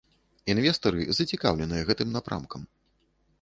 Інвестары зацікаўленыя гэтым напрамкам.